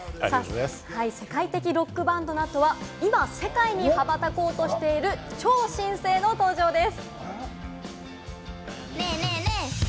世界的ロックバンドのあとは今世界に羽ばたこうとしている、超新星の登場です！